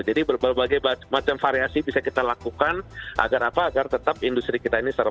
jadi berbagai macam variasi bisa kita lakukan agar apa agar tetap industri kita ini survive gitu sih mbak